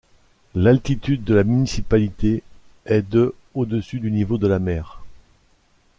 L'altitude de la municipalité est de au-dessus du niveau de la mer.